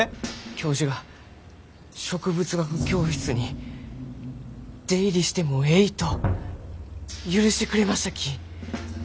教授が植物学教室に出入りしてもえいと許してくれましたき。